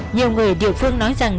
nhiều người địa phương nói rằng